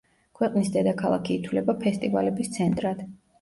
ქვეყნის დედაქალაქი ითვლება ფესტივალების ცენტრად.